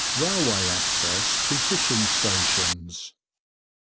RAILWAY ACCESS TO FISHING STATIONS.